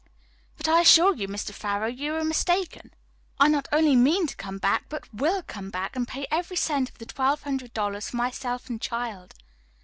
"But I assure you, Mr. Farrow, you are mistaken. I not only mean to come back, but will come back, and pay every cent of the twelve hundred dollars for myself and child."